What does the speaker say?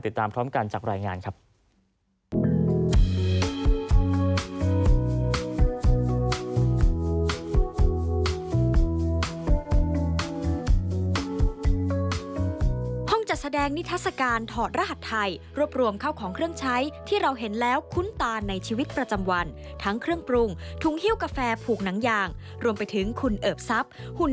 ติดตามพร้อมกันจากรายงานครับ